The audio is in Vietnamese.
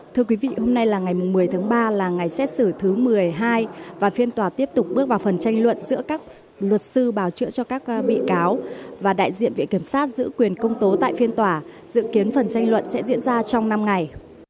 thưa quý vị hôm nay là ngày một mươi tháng ba là ngày xét xử thứ một mươi hai và phiên tòa tiếp tục bước vào phần tranh luận giữa các luật sư bảo chữa cho các bị cáo và đại diện viện kiểm sát giữ quyền công tố tại phiên tòa dự kiến phần tranh luận sẽ diễn ra trong năm ngày